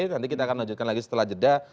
nanti kita akan lanjutkan lagi setelah jeda